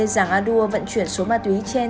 giang anua vận chuyển số ma túy trên